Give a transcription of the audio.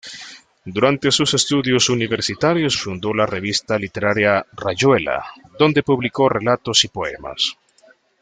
Durante sus estudios universitarios fundó la revista literaria "Rayuela", donde publicó relatos y poemas.